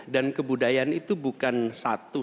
dan kebudayaan itu bukan satu